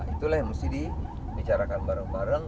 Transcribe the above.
itulah yang mesti dibicarakan bareng bareng